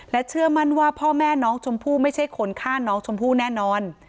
เชื่อมั่นว่าพ่อแม่น้องชมพู่ไม่ใช่คนฆ่าน้องชมพู่แน่นอน